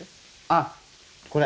「あっこれ。